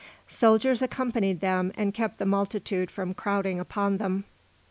Soldiers accompanied them and kept the multitude from crowding upon them.